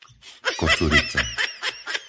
Kocurice